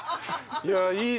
いやいい。